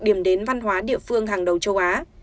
điểm đến văn hóa địa phương hàng đầu châu á